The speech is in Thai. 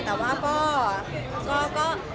แต่ว่าก็